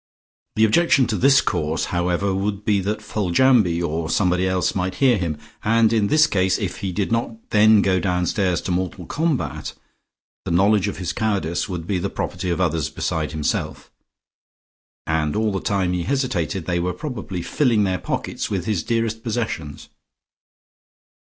The objection to this course, however, would be that Foljambe or somebody else might hear him, and in this case, if he did not then go downstairs to mortal combat, the knowledge of his cowardice would be the property of others beside himself.... And all the time he hesitated, they were probably filling their pockets with his dearest possessions.